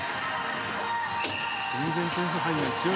全然点数入んない。